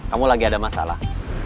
kamu lagi ada masalah